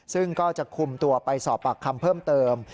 ซึ่งก็จะคุมตัวไปสอบปากคำเพิ่มเติม